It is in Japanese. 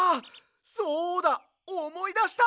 そうだおもいだした！